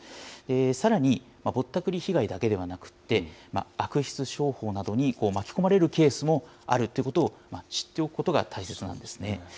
さらにぼったくり被害だけではなくって、悪質商法などに巻き込まれるケースもあるってことを知っておくことが大切なんですね。